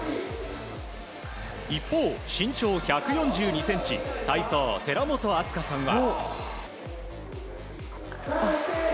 一方、身長１４２ｃｍ体操、寺本明日香さんは。